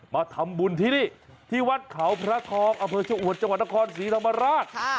มาทำบุญที่นี่ที่วัดขาวพระทองอฉถอรศทศรีธรรมราช